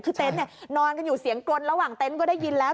คือเต็นต์เนี่ยนอนกันอยู่เสียงกรนระหว่างเต็นต์ก็ได้ยินแล้ว